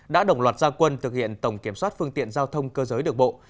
đã đồng loạt gia quân thực hiện tổng kiểm soát phương tiện giao thông cơ giới đường bộ